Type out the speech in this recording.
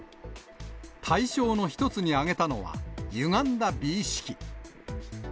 対象の一つに挙げたのは、ゆがんだ美意識。